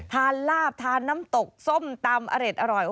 ลาบทานน้ำตกส้มตำอร่อย